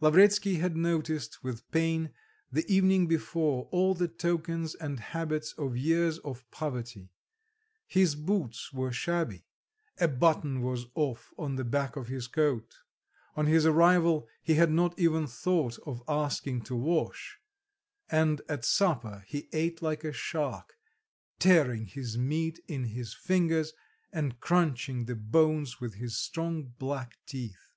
Lavretsky had noticed with pain the evening before all the tokens and habits of years of poverty; his boots were shabby, a button was off on the back of his coat, on his arrival, he had not even thought of asking to wash, and at supper he ate like a shark, tearing his meat in his fingers, and crunching the bones with his strong black teeth.